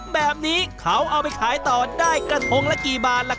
แบบนี้เขาเอาไปขายต่อได้กระทงละกี่บาทล่ะครับ